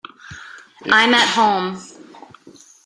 I'm at home.